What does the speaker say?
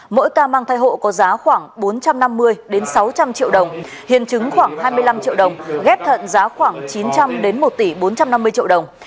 mỗi ca mang thai hộ có giá khoảng bốn trăm năm mươi sáu trăm linh triệu đồng hiến chứng khoảng hai mươi năm triệu đồng ghép thận giá khoảng chín trăm linh một tỷ bốn trăm năm mươi triệu đồng